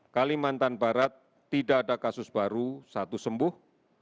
kalimantan barat tidak ada kasus baru satu sembuh